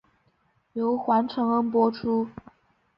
由黄承恩播出。